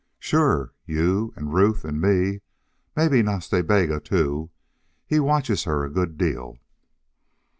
"Sure. You and Ruth and me. Maybe Nas Ta Bega, too. He watches her a good deal."